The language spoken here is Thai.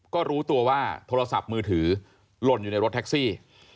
ก็รู้ตัวว่าโทรศัพท์มือถือหล่นอยู่ในรถแท็กซี่